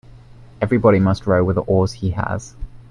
Everybody must row with the oars he has.